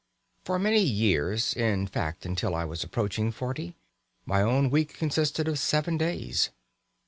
For many years in fact, until I was approaching forty my own week consisted of seven days.